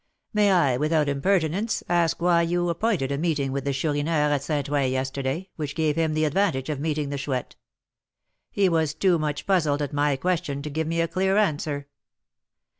"May I, without impertinence, ask why you appointed a meeting with the Chourineur at St. Ouen yesterday, which gave him the advantage of meeting the Chouette? He was too much puzzled at my question to give me a clear answer."